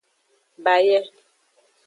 Baye.